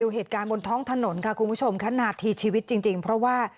เหตุการณ์บนท้องถนนค่ะคุณผู้ชมค่ะนาทีชีวิตจริงเพราะว่า